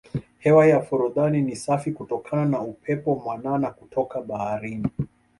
hewa ya forodhani ni safi kutokana na upepo mwanana kutoka baharini